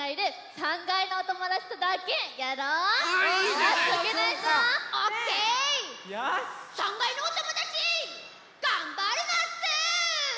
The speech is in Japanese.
３かいのおともだちがんばるナッツ！